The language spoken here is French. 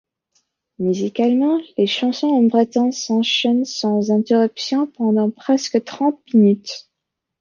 Musicalement, les chansons en breton s'enchaînent sans interruption pendant presque trente minutes.